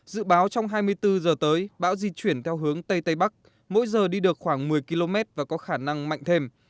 dự báo trong hai mươi bốn giờ tới bão di chuyển theo hướng tây tây bắc mỗi giờ đi được khoảng một mươi km và có khả năng mạnh thêm